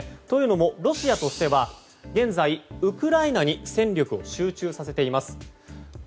というのもロシアとしては現在、ウクライナに戦力を集中させています。